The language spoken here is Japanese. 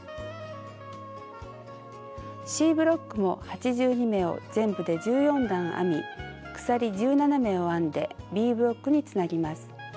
Ｃブロックも８２目を全部で１４段編み鎖１７目を編んでＢブロックにつなぎます。